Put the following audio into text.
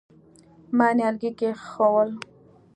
ما نيالګي کېښوول.